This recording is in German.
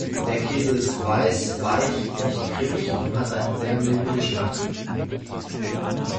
Der Käse ist weiß, weich, nicht cremig und hat einen sehr milden Geschmack.